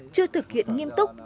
chưa thực hiện nghiêm túc công nghiệp